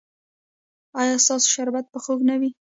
ایا ستاسو شربت به خوږ نه وي؟